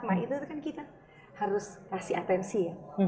nah itu kan kita harus kasih atensi ya